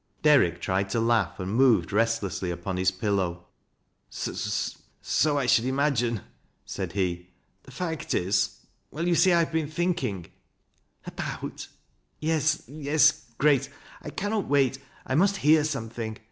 Derrick tried to laugh, and moved restlessly upon hia pillow,, " So I should imagine," said he. " The fact is — well y ^a see I have been thinking." '•' About— » "Tes — ^yes — Grace, I cannot wait — I must hear some thing.